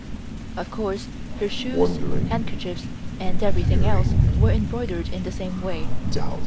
Of course her shoes, handkerchiefs and everything else were embroidered in the same way.